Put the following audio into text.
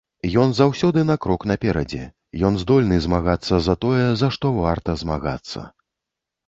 Ён заўсёды на крок наперадзе, ён здольны змагацца за тое, за што варта змагацца.